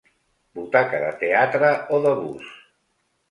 Butaca de teatre o de bus.